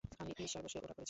আমি ঈর্ষার বশে ওটা করেছি।